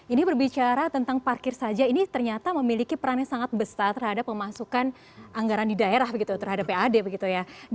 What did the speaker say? ini berbicara tentang parkir saja ini ternyata memiliki peran yang sangat besar terhadap memasukan anggaran di daerah terhadap pad